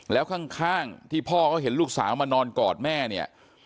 แล้วข้างที่พ่อเขาเห็นลูกสาวมานอนกอดแม่เนี่ย